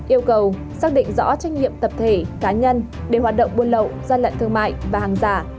yêu cầu xác định rõ trách nhiệm tập thể cá nhân để hoạt động buôn lậu gian lận thương mại và hàng giả